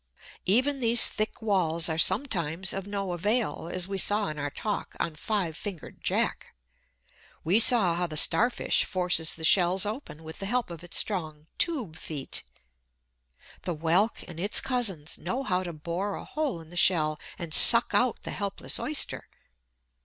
Even these thick walls are sometimes of no avail, as we saw in our talk on "Five fingered Jack." We saw how the starfish forces the shells open with the help of its strong tube feet. The whelk and his cousins know how to bore a hole in the shell, and suck out the helpless Oyster.